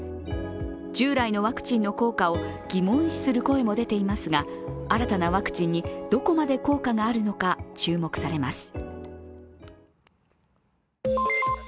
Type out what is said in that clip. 従来のワクチンの効果を疑問視する声も出ていますが新たなワクチンにどこまで効果があるのか注目されます。